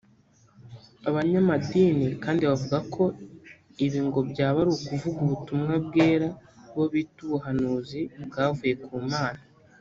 abanyamadini kandi bavuga ko ibi ngo byaba ari ukuvunga ubutumwa bwera bo bita ubuhanuzi bwavuye ku Mana